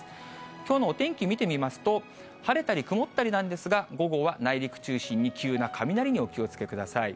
きょうのお天気見てみますと、晴れたり曇ったりなんですが、午後は内陸中心に急な雷にお気をつけください。